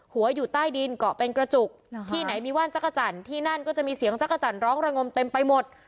หัวอยู่ใต้ดินเกาะเป็นกระจุกที่ไหนมีว่านจักรจันทร์ที่นั่นก็จะมีเสียงจักรจันทร์ร้องระงมเต็มไปหมด